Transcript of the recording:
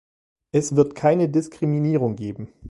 Es wird keine Diskriminierung geben.